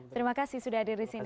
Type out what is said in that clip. terima kasih sudah hadir di sini